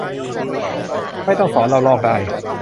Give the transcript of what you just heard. ไม่ต้องสอนเราลอกได้